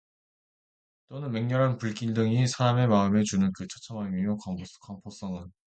또는 맹렬한 불길 등이 사람의 마음에 주는 그 처참함이며 광포성은